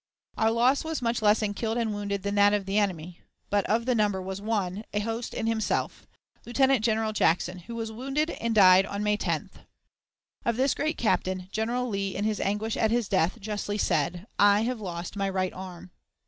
Our loss was much less in killed and wounded than that of the enemy, but of the number was one, a host in himself, Lieutenant General Jackson, who was wounded, and died on May 10th. Of this great captain, General Lee, in his anguish at his death, justly said, "I have lost my right arm."